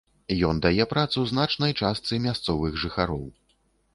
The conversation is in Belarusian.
Ён дае працу значнай частцы мясцовых жыхароў.